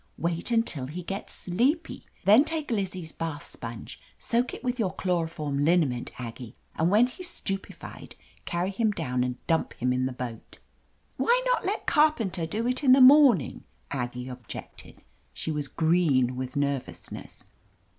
"Wait until he gets sleepy. Then take Lizzie's bath sponge, soak it with your chloroform liniment, Aggie, and when he's stupefied, carry him down and dump him in the boat." "Why not let Carpenter do it, in the morn ing?" Aggie objected. She was green with nervousness.